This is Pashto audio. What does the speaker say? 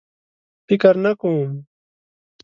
فکر نه کوم.